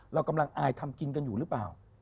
เรากำลังอายทำกินกันอยู่หรือเปล่า